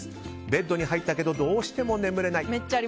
ベッドに入ったけどどうしても眠れない。